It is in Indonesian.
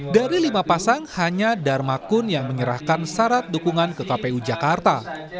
dari lima pasang hanya dharma kun yang menyerahkan syarat dukungan ke kpu jakarta